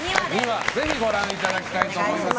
ぜひご覧いただきたいと思います。